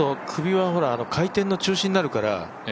首は回転の中心になるから。